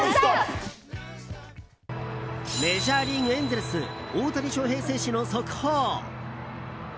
メジャーリーグ、エンゼルス大谷翔平選手の速報！